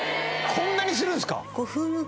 こんなにするんすか？